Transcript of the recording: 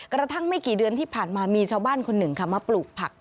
กระทั่งไม่กี่เดือนที่ผ่านมามีชาวบ้านคนหนึ่งค่ะมาปลูกผัก